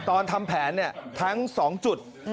ตอนทำแผนทั้ง๒จุด